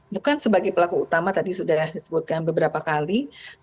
bukan sebagai pelaku utama tadi sudah disebutkan beberapa kali